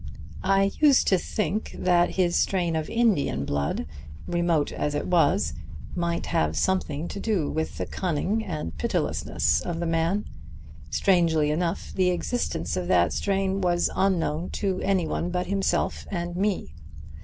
"I used to think that his strain of Indian blood, remote as it was, might have something to do with the cunning and pitilessness of the man. Strangely enough, the existence of that strain was unknown to anyone but himself and me.